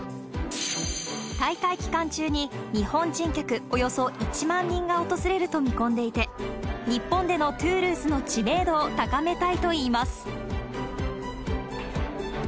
大会期間中に、日本人客およそ１万人が訪れると見込んでいて、日本でのトゥールーズの知名度を高めたいといいます。